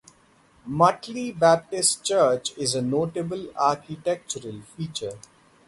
Mutley Baptist church is a notable architectural feature.